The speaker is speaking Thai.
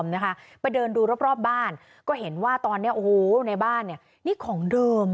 ไม่อยากให้แม่เป็นอะไรไปแล้วนอนร้องไห้แท่ทุกคืน